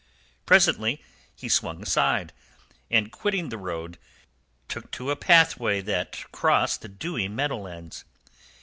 Presently he swung aside, and quitting the road took to a pathway that crossed the dewy meadowlands.